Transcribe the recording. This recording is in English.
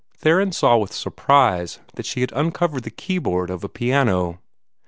Theron saw with surprise that she had uncovered the keyboard of a piano.